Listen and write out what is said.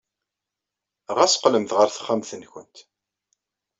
Ɣas qqlemt ɣer texxamt-nwent.